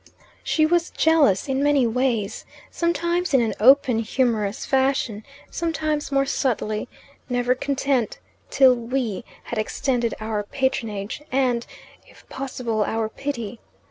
She was jealous in many ways sometimes in an open humorous fashion, sometimes more subtly, never content till "we" had extended our patronage, and, if possible, our pity.